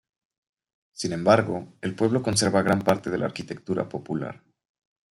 Sin embargo, el pueblo conserva gran parte de la arquitectura popular.